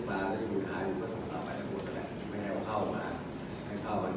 การทำมันอยู่ก็ทำด้วยการวอกพวก